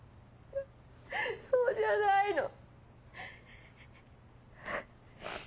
そうじゃないの。